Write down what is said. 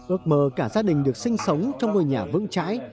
ước mơ cả gia đình được sinh sống trong ngôi nhà vững chãi